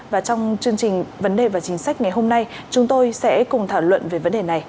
và trong chương trình vấn đề và chính sách ngày hôm nay chúng tôi sẽ cùng thảo luận về vấn đề này